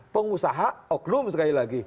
pengusaha oklum sekali lagi